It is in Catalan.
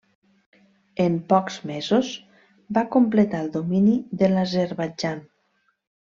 En pocs mesos va completar el domini de l'Azerbaidjan.